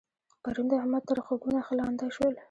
پرون د احمد تخرګونه ښه لانده شول.